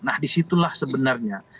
nah disitulah sebenarnya